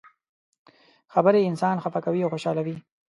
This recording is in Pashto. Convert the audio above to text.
خبرې انسان خفه کوي او خوشحالوي.